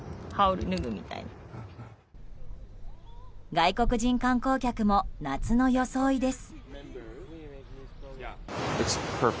外国人観光客も夏の装いです。